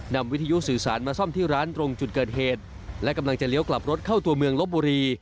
วิทยุสื่อสารมาซ่อมที่ร้านตรงจุดเกิดเหตุและกำลังจะเลี้ยวกลับรถเข้าตัวเมืองลบบุรี